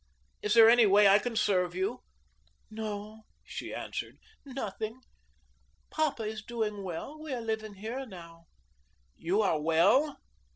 Is there any way I can serve you?" "No," she answered, "nothing. Papa is doing well. We are living here now." "You are well?"